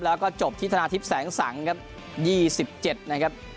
แล้วก็จบทศนาทีพแสงสังครับยี่สิบเจ็ดนะครับ